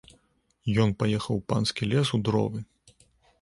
Ён паехаў у панскі лес у дровы.